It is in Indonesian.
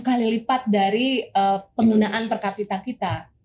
tiga kali lipat dari penggunaan per kapita kita